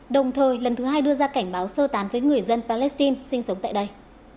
đồng thời lần thứ hai đưa ra cảnh báo sơ tán với người dân palestine sinh sống tại đây